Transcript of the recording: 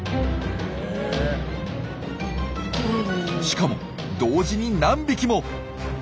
しかも同時に何匹も。